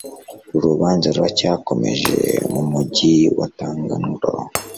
Urubanza ruracyakomeje mu mugi wa Taganrog